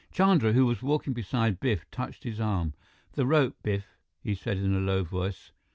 Chandra, who was walking beside Biff, touched his arm. "The rope, Biff," he said in a low voice.